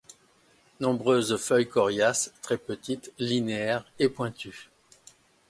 Nombreuses feuilles coriaces très petites, linéaires et pointues.